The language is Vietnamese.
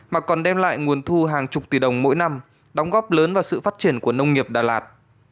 mà còn đem lại nguồn thu hàng chục tỷ đồng mỗi năm đóng góp lớn vào sự phát triển của nông nghiệp đà lạt